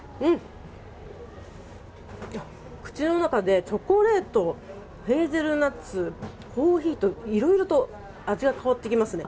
口の中でチョコレートヘーゼルナッツコーヒーと、いろいろと味が変わっていきますね。